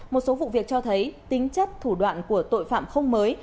một số vụ việc cho thấy tính chất thủ đoạn của tội phạm không mới